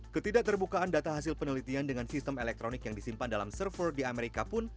ketidakterbukaan data hasil penelitian dengan sistem elektronik yang disimpan dalam server di amerika pun